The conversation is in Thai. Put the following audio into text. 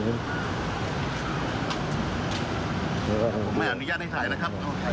ไม่อยากอนิยาที่ถ่ายนะครับ